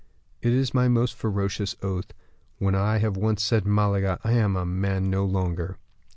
"It is my most ferocious oath; when I have once said Malaga! I am a man no longer."